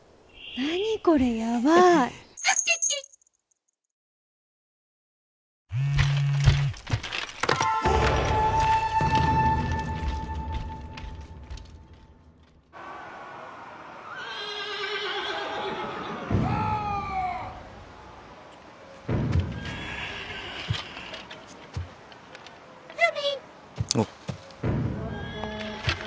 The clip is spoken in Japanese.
何これやばい！あっ。